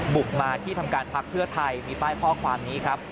บุกมาที่ทำการพักเพื่อไทยมีป้ายข้อความนี้ครับ